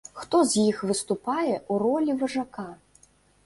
Хто з іх выступае ў ролі важака?